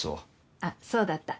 あっそうだった。